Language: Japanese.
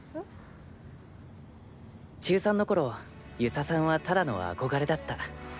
中３の頃遊佐さんはただの憧れだった。